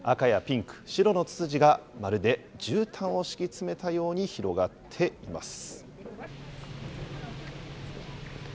ツツジがまるでじゅうたんを敷き詰めたように広がっています。